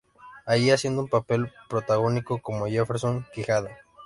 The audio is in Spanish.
Allí haciendo un papel protagónico como Jefferson Quijada.